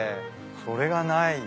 それがない。